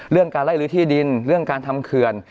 เรื่องการไล่ลื้อที่ดินเรื่องการทำเขื่อน